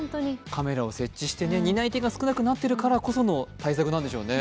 カメラを設置して、担い手が少なくなっているからこその対策なんでしょうね。